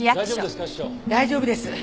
大丈夫ですか？